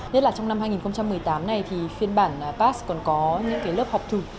nhất là trong năm hai nghìn một mươi tám này thì phiên bản pars còn có những lớp học thử